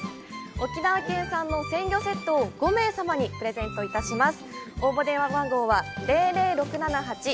「沖縄県産鮮魚セット」を５名様にプレゼントいたします。